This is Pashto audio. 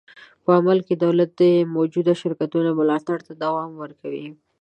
په عمل کې دولت د موجوده شرکتونو ملاتړ ته دوام ورکوي.